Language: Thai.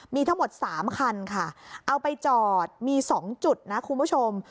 มีทั้งหมด๓คันค่ะเอาไปจอดมี๒จุดนะคุณผู้ชม